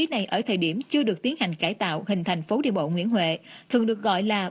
đây được xem là lý do